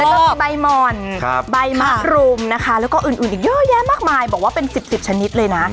แล้วก็มีใบหม่อนใบมะรุมนะคะแล้วก็อื่นอีกเยอะแยะมากมายบอกว่าเป็น๑๐ชนิดเลยนะ